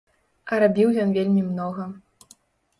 А рабіў ён вельмі многа.